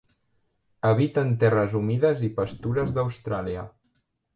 Habiten terres humides i pastures d'Austràlia.